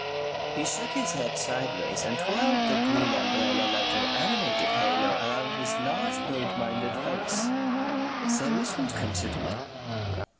He shook his head sideways and twirled the green umbrella like an animated halo around his large broad minded face. Sir Richmond considered.